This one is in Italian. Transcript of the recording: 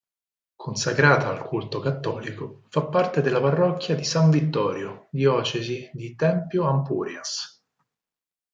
Consacrata al culto cattolico, fa parte della parrocchia di San Vittorio, diocesi di Tempio-Ampurias.